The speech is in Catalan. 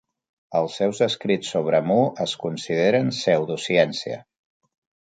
Els seus escrits sobre Mu es consideren pseudociència.